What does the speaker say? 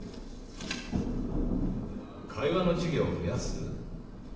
「会話の授業を増やす」？